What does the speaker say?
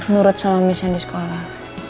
nurut sama misen di sekolah